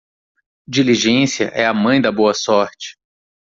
Diligência é a mãe da boa sorte.